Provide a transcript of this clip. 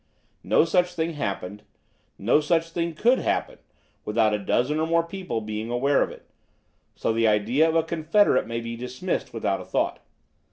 No such thing happened, no such thing could happen, without a dozen or more people being aware of it; so the idea of a confederate may be dismissed without a thought.